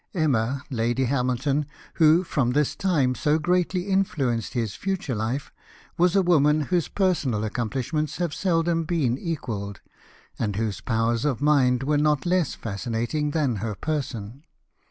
Enuna Lady Hamilton, who from this time so greatl}^ influenced his future life, was a woman whose personal accomplishments have seldom been equalled, and whose powers of mind were not less fascinating than her person.